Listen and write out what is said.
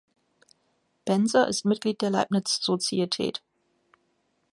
Benser ist Mitglied der Leibniz-Sozietät.